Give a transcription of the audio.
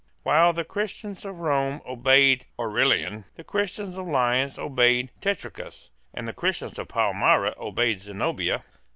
While the Christian of Rome obeyed Aurelian, the Christian of Lyons obeyed Tetricus, and the Christian of Palmyra obeyed Zenobia.